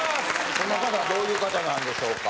この方はどういう方なんでしょうか。